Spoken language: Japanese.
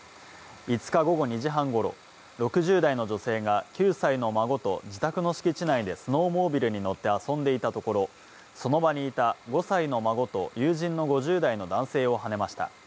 ５日午後２時半ごろ、６０代の女性が９歳の孫と自宅の敷地内でスノーモービルに乗って遊んでいたところ、その場にいた５歳の孫と友人の５０代の男性をはねました。